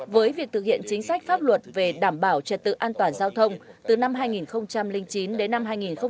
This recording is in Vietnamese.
với việc thực hiện chính sách pháp luật về đảm bảo trật tự an toàn giao thông từ năm hai nghìn chín đến năm hai nghìn một mươi